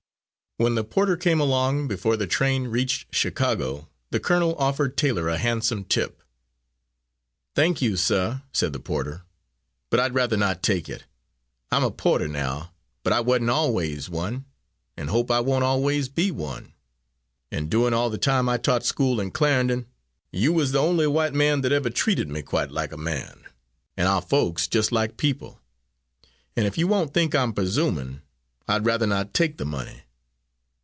When the porter came along, before the train reached Chicago, the colonel offered Taylor a handsome tip. "Thank you, suh," said the porter, "but I'd rather not take it. I'm a porter now, but I wa'n't always one, and hope I won't always be one. And during all the time I taught school in Clarendon, you was the only white man that ever treated me quite like a man and our folks just like people and if you won't think I'm presuming, I'd rather not take the money."